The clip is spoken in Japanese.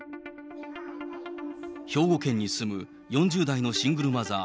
兵庫県に住む４０代のシングルマザー